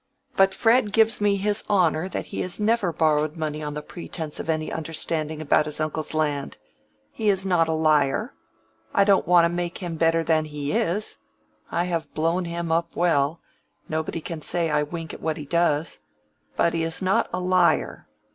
"But Fred gives me his honor that he has never borrowed money on the pretence of any understanding about his uncle's land. He is not a liar. I don't want to make him better than he is. I have blown him up well—nobody can say I wink at what he does. But he is not a liar.